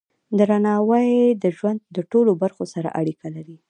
درناوی د ژوند د ټولو برخو سره اړیکه لري.